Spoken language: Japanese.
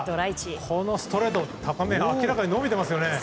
このストレート、高め明らかに伸びていますね。